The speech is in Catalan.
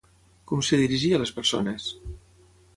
Com es dirigia a les persones?